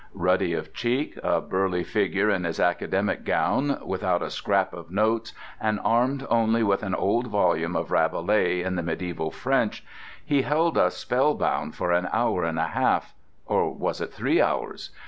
Ruddy of cheek, a burly figure in his academic gown, without a scrap of notes and armed only with an old volume of Rabelais in the medieval French, he held us spellbound for an hour and a half—or was it three hours?